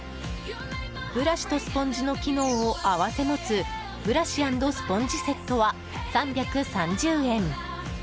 ブラシとスポンジの機能を併せ持つブラシ＆スポンジセットは３３０円。